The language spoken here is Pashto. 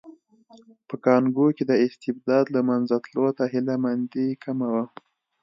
په کانګو کې د استبداد له منځه تلو ته هیله مندي کمه وه.